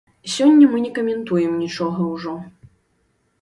Сёння мы не каментуем нічога ўжо.